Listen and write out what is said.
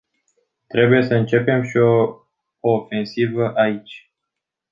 Trebuie să începem și o ofensivă aici.